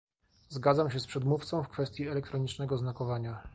Zgadzam się z przedmówcą w kwestii elektronicznego znakowania